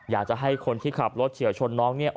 อยากจะให้คนที่ขับรถเฉียวชนน้องเนี่ย